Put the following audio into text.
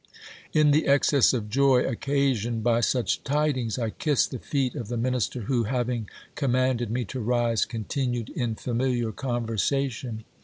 In the excess of joy occasioned by such tidings, I kissed the feet of the minis ter, who, having commanded me to rise, continued in familiar conversation.